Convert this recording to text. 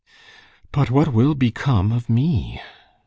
"But what will become of me?